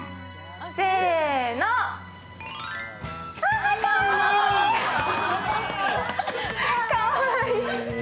せーの、かわいい！